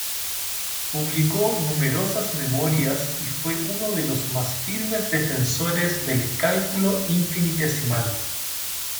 Publicó numerosas memorias y fue uno de los más firmes defensores del cálculo infinitesimal.